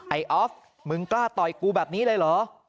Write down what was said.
ออฟมึงกล้าต่อยกูแบบนี้เลยเหรอ